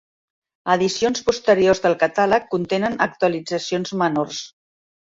Edicions posteriors del catàleg contenen actualitzacions menors.